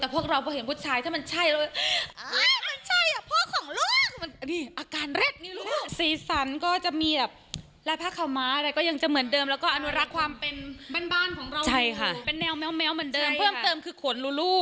เป็นแนวแมวแมวเหมือนเดิมเพิ่มเติมคือขนลูลู